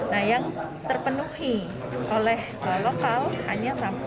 nah yang terpenuhi oleh lokal hanya empat ratus ribu ton